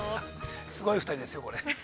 ◆すごい２人ですよ、これ。